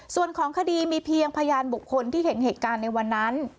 ส่วนของคดีมีเพียงพยานบุคคลที่เห็นเหตุการณ์ในวันนั้น